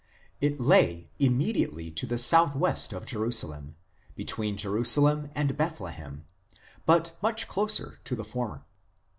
It lay immediately to the south west of Jerusalem, between Jerusalem and Bethlehem, but much closer to the former.